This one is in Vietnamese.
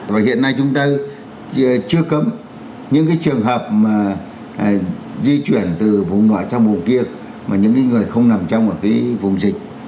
và hiện nay chúng ta chưa cấm những cái trường hợp mà di chuyển từ vùng nọ trong vùng kia mà những cái người không nằm trong ở cái vùng dịch